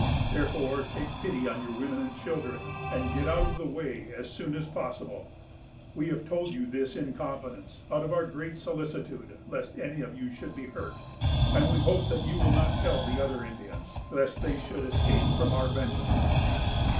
Therefore take pity on your women and children, and get out of the way as soon as possible. We have told you this in confidence, out of our great solicitude lest any of you should be hurt; and we hope that you will not tell the other Indians, lest they should escape from our vengeance."